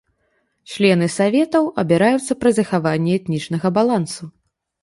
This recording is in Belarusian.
Члены саветаў абіраюцца пры захаванні этнічнага балансу.